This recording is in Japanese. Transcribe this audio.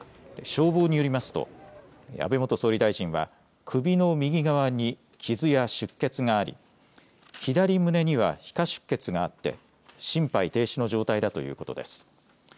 消防によりますと安倍元総理大臣は首の右側に傷や出血があり左胸には皮下出血があって心肺停止の状態だということです。